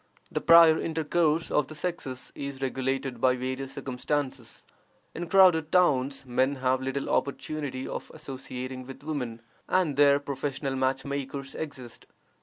The prior intercourse of the sexes is regulated by various circumstances. In crowded towns men have little opportunity of associating with women, and there professional match makers exist.